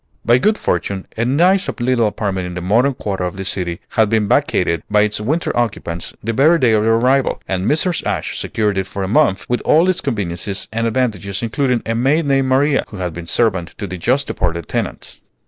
By good fortune, a nice little apartment in the modern quarter of the city had been vacated by its winter occupants the very day of their arrival, and Mrs. Ashe secured it for a month, with all its conveniences and advantages, including a maid named Maria, who had been servant to the just departed tenants.